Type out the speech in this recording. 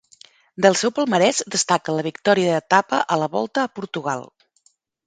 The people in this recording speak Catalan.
Del seu palmarès destaca la victòria d'etapa a la Volta a Portugal.